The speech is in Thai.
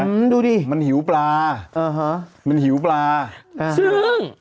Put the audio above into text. เห็นไหมดูสิมันหิวปลามันหิวปลาซึ่ง